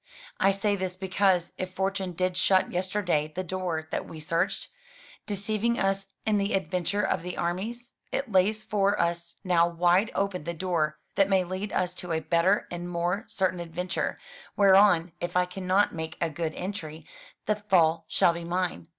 I say this because, if fortune did shut yesterday the door that we searched, deceiving us in the adventure of the armies, it lays for us now wide open the door that may lead us to a better and more certain adventure, whereon, if I cannot make a good entry, the fall shall be mine.